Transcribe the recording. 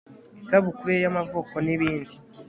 isabukuru ye y'amavuko n'ibindi